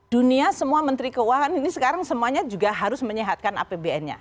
dunia semua menteri keuangan ini sekarang semuanya juga harus menyehatkan apbn nya